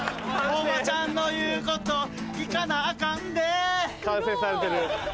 おばちゃんの言うこと聞かなあかんで完成されてる。